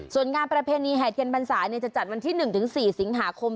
ส่วนงานประเพณีแห่เทียนพรรษาจะจัดวันที่๑๔สิงหาคม